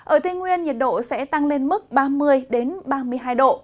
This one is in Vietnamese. ở tây nguyên nhiệt độ sẽ tăng lên mức ba mươi ba mươi hai độ